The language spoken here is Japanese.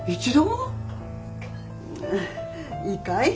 いいかい？